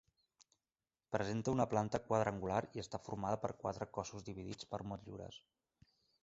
Presenta una planta quadrangular i està formada per quatre cossos dividits per motllures.